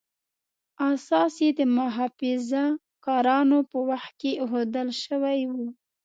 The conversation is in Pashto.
اساس یې د محافظه کارانو په وخت کې ایښودل شوی و.